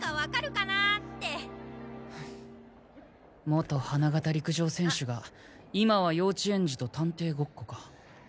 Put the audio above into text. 元花形陸上選手が今は幼稚園児と探偵ごっこか。